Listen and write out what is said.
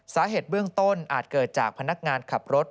สาเหตุเบื้องต้นอาจเกิดจากพนักงานขับรถ